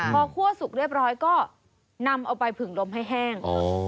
พอคั่วสุกเรียบร้อยก็นำเอาไปผึ่งลมให้แห้ง